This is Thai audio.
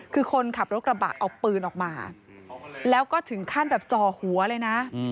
คือคนขับรถกระบะเอาปืนออกมาแล้วก็ถึงขั้นแบบจ่อหัวเลยนะ